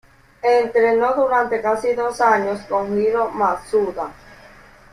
Entrenó durante casi dos años con Hiro Matsuda.